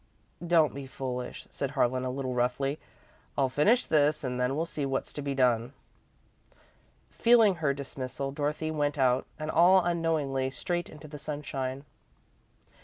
"Don't be foolish," said Harlan, a little roughly. "I'll finish this and then we'll see what's to be done." Feeling her dismissal, Dorothy went out, and, all unknowingly, straight into the sunshine.